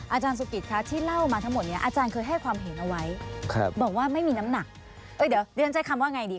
อาจารย์สุกิตที่เล่ามาทั้งหมดนี้อาจารย์เคยให้ความเห็นเอาไว้